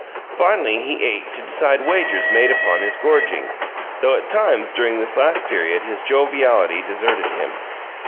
Finally, he ate to decide wagers made upon his gorging, though at times during this last period his joviality deserted him.